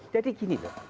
jadi gini loh